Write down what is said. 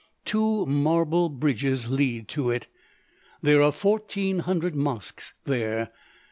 "Two marble bridges lead to it. There are fourteen hundred mosques there.